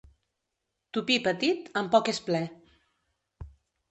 Tupí petit, amb poc és ple.